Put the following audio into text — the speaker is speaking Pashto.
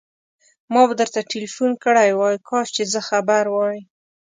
ما به درته ټليفون کړی وای، کاش چې زه خبر وای.